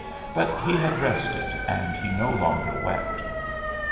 But he had rested, and he no longer wept.